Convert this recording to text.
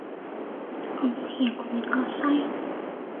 Kalliope's rotation is then slightly retrograde.